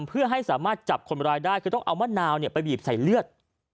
เพื่อให้สามารถจับคนร้ายได้คือต้องเอามะนาวไปบีบใส่เลือด